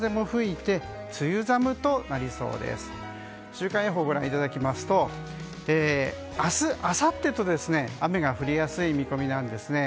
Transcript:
週間予報ご覧いただきますと明日、あさってと雨が降りやすい見込みなんですね。